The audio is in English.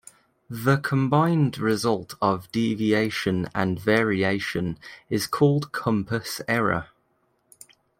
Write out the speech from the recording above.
The combined result of Deviation and Variation is called Compass Error.